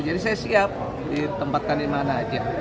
jadi saya siap ditempatkan dimana aja